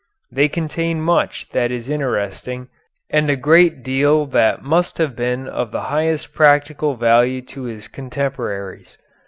They contain much that is interesting and a great deal that must have been of the highest practical value to his contemporaries.